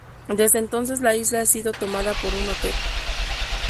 Desde entonces la isla ha sido tomada por un hotel.